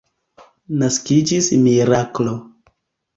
Naskiĝis miraklo.